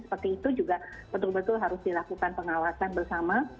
seperti itu juga betul betul harus dilakukan pengawasan bersama